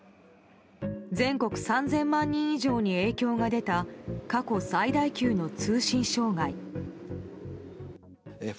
全国３０００万人以上に影響が出た過去最大級の通信障害。